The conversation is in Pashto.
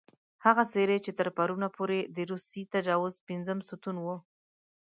هغه څېرې چې تر پرونه پورې د روسي تجاوز پېنځم ستون وو.